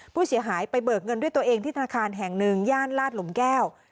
ผู้เสียหายไปเบิกเงินด้วยตัวเองที่ธนาคารแห่งหนึ่งย่านลาดหลุมแก้ว